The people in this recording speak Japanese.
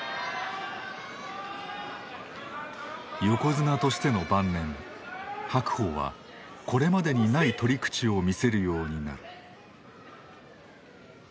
横綱としての晩年白鵬はこれまでにない取り口を見せるようになる。